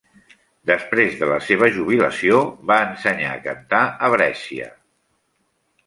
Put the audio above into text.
Després de la seva jubilació, va ensenyar a cantar a Brescia.